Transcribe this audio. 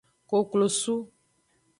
Koklosu.